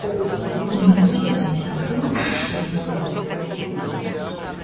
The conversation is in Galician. Minutos de silencio?, salientou.